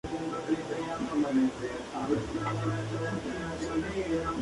Los otros miembros clave del grupo fueron decapitados más tarde aquel verano.